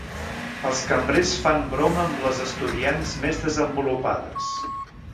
Els cambrers fan broma amb les estudiants més desenvolupades.